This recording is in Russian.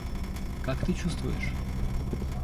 Как ты чувствуешь?